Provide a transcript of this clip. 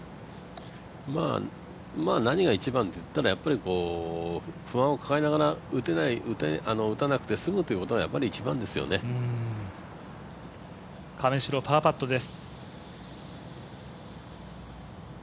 何が一番といったら、不安を抱えながら打たなくて済むということが亀代パーパットです。